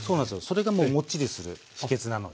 それがもうもっちりする秘けつなので。